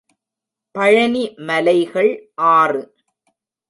பழனி மலைகள் ஆறு.